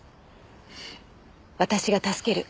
私が助ける。